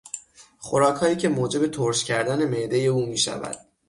خوراکهایی که موجب ترش کردن معدهی او میشود